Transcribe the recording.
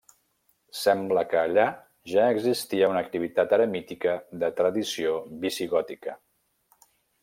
Sembla que allà ja existia una activitat eremítica de tradició visigòtica.